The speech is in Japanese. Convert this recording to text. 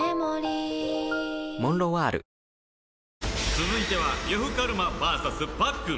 続いては呂布カルマ ＶＳ パックン